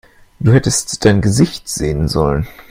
Du hättest dein Gesicht sehen sollen!